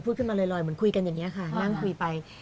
ขึ้นมาลอยเหมือนคุยกันอย่างนี้ค่ะนั่งคุยไป